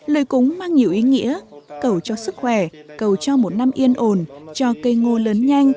lễ cúng mang nhiều ý nghĩa cầu cho sức khỏe cầu cho một năm yên ồn cho cây ngô lớn nhẹ